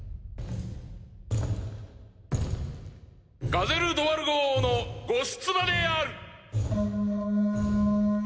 ガゼル・ドワルゴ王のご出馬である。